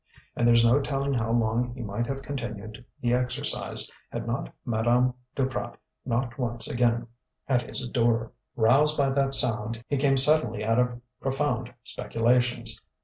And there's no telling how long he might have continued the exercise had not Madame Duprat knocked once again at his door. Roused by that sound, he came suddenly out of profound speculations.